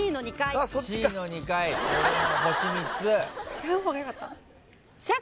違う方がよかった？